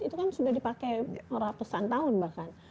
itu kan sudah dipakai ratusan tahun bahkan